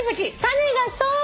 種がそう。